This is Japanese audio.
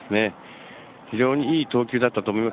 非常にいい投球だったと思います。